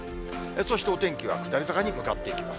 そしてお天気は下り坂に向かっていきます。